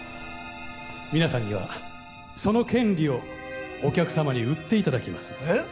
皆さんにはその権利をお客さまに売っていただきますえっ？